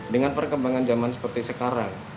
dengan perkembangan zaman seperti sekarang